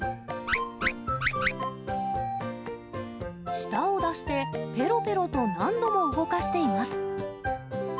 舌を出して、ぺろぺろと何度も動かしています。